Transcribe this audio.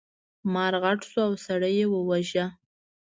مار غټ شو او سړی یې وواژه.